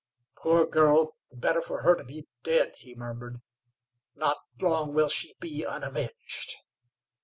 "Poor girl, better for her to be dead," he murmured. "Not long will she be unavenged!"